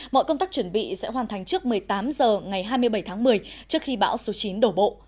mọi công tác chuẩn bị sẽ hoàn thành trước một mươi tám h ngày hai mươi bảy tháng một mươi trước khi bão số chín đổ bộ